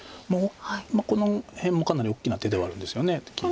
この辺もかなり大きな手ではあるんですよね切り。